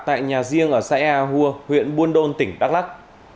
tại nhà riêng ở xã ea hùa huyện buôn đôn tỉnh đắk lắc